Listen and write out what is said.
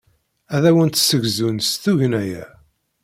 Ad awent-d-ssegzun s tugna-a.